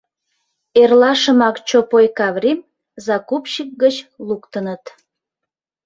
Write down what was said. Эрлашымак Чопой Каврим закупщик гыч луктыныт.